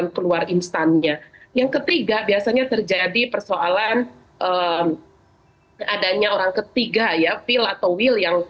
per wantsannya yang ketiga biasanya terjadi persoalan adanya orang ketiga ya ilatho will yang